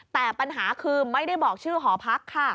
แต่ปัญหาคือไม่ได้บอกชื่อหอพักค่ะ